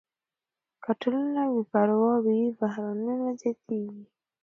که ټولنه بې پروا وي، بحرانونه زیاتېږي.